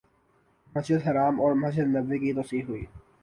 مسجد حرام اور مسجد نبوی کی توسیع ہوئی